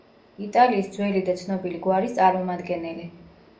იტალიის ძველი და ცნობილი გვარის წარმომადგენელი.